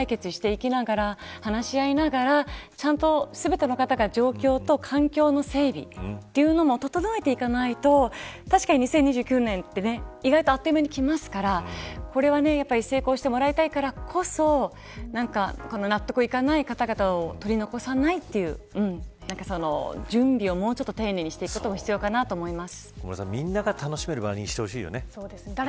デメリットの部分を一つ、一つちゃんと解決していきながら話し合いながら、全ての方が状況と環境の整備というのも整えていかないと確かに２０２９年って意外とあっという間にきますからこれは成功してもらいたいからこそ納得いかない方々を取り残さないという準備をもうちょっと丁寧にしていくことも必要かなと思います。